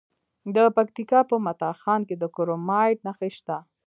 د پکتیکا په متا خان کې د کرومایټ نښې شته.